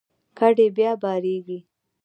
کډې بیا بارېږي.